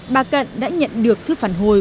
bà cận đã nhận được thư phản hồi